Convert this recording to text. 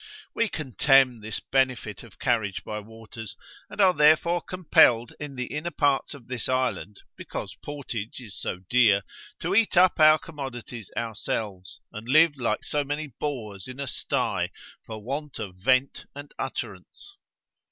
We contemn this benefit of carriage by waters, and are therefore compelled in the inner parts of this island, because portage is so dear, to eat up our commodities ourselves, and live like so many boars in a sty, for want of vent and utterance.